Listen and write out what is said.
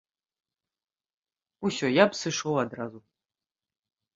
Усе, я б сышоў адразу.